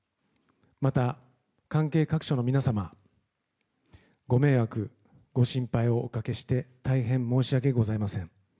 また、関係各所の皆様ご迷惑、ご心配をおかけして大変申し訳ございません。